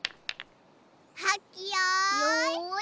はっけよい。